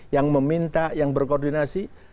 yang meminta yang berkoordinasi